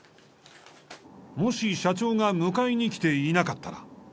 もし社長が迎えに来ていなかったら。